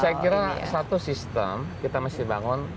saya kira satu sistem kita mesti bangun